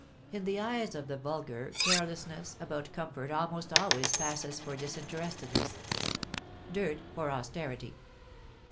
In the eyes of the vulgar, carelessness about comfort almost always passes for disinterestedness; dirt, for austerity.